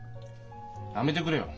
やめてくれよ！